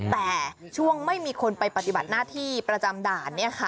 แต่ช่วงไม่มีคนไปปฏิบัติหน้าที่ประจำด่าน